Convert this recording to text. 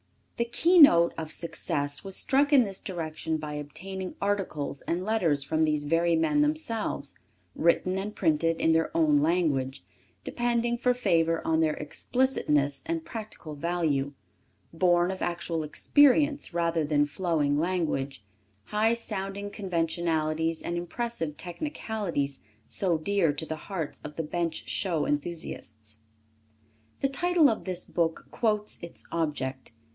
The keynote of success was struck in this direction by obtaining articles and letters from these very men themselves, written and printed in their own language, depending for favor on their explicitness and practical value, borne of actual experience, rather than flowing language, high sounding conventionalities and impressive technicalities so dear to the hearts of the Bench Show enthusiasts. The title of this book quotes its object.